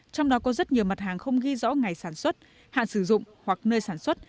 trong đó có rất nhiều mặt hàng không ghi rõ ngày sản xuất hạn sử dụng hoặc nơi sản xuất